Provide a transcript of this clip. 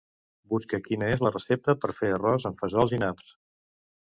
Busca quina és la recepta per fer arròs amb fesols i naps.